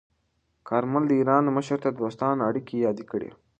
کارمل د ایران مشر ته دوستانه اړیکې یادې کړې.